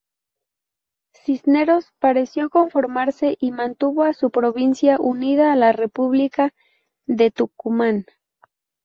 Cisneros pareció conformarse, y mantuvo a su provincia unida a la República de Tucumán.